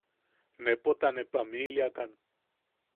Nepo ta ne pamiliakan.